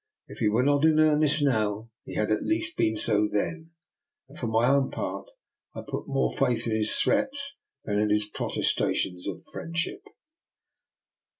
If he were not in earnest now, he had at least been so then; and, for my own part, I put more faith in his threats than in his protesta tions of friendship.